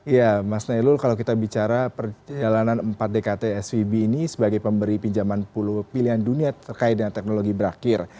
ya mas nailul kalau kita bicara perjalanan empat dkt svb ini sebagai pemberi pinjaman sepuluh pilihan dunia terkait dengan teknologi berakhir